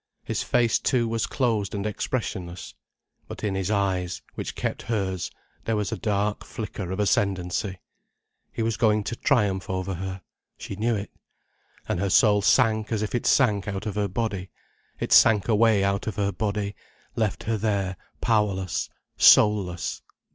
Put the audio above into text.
His face too was closed and expressionless. But in his eyes, which kept hers, there was a dark flicker of ascendancy. He was going to triumph over her. She knew it. And her soul sank as if it sank out of her body. It sank away out of her body, left her there powerless, soulless.